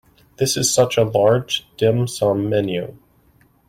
This is such a large dim sum menu.